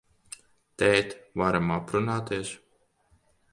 Tēt, varam aprunāties?